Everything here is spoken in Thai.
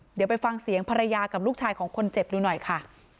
เดี๋ยวไปฟังเสียงภรรยากับลูกชายของคนเจ็บดูหน่อยค่ะ